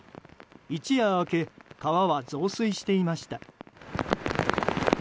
一夜明け川は増水していました。